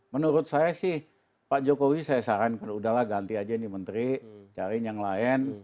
menurut saya sih pak jokowi saya sarankan udahlah ganti aja ini menteri cari yang lain